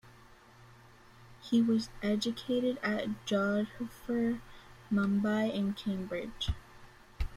He was educated at Jodhpur, Mumbai and Cambridge.